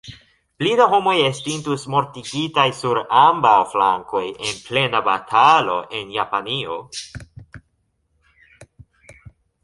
Pli da homoj estintus mortigitaj sur ambaŭ flankoj en plena batalo en Japanio.